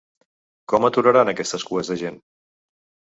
Com aturaran aquestes cues de gent?